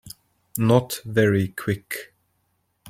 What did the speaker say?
Not very Quick.